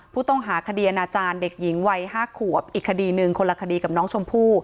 ผู้ต้องหาคดีอนาจารย์เด็กหญิงวัย๕ขวบอีกคดีหนึ่งคนละคดีกับน้องชมพู่